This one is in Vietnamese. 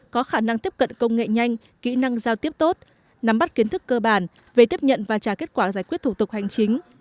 có khả năng tiếp cận công nghệ nhanh kỹ năng giao tiếp tốt nắm bắt kiến thức cơ bản về tiếp nhận và trả kết quả giải quyết thủ tục hành chính